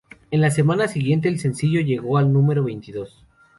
En la semana siguiente el sencillo llegó al número veintidós.